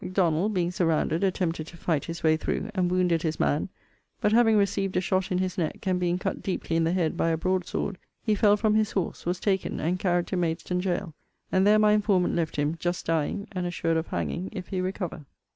M'Donald, being surrounded, attempted to fight his way through, and wounded his man; but having received a shot in his neck, and being cut deeply in the head by a broad sword, he fell from his horse, was taken, and carried to Maidstone gaol: and there my informant left him, just dying, and assured of hanging if he recover.